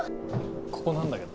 ここなんだけど。